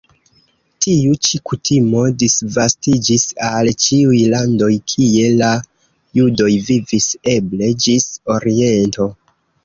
Tiu ĉi kutimo disvastiĝis al ĉiuj landoj, kie la judoj vivis, eble ĝis Oriento.